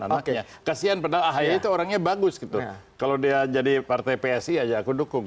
anaknya kasian padahal ahy itu orangnya bagus gitu kalau dia jadi partai psi aja aku dukung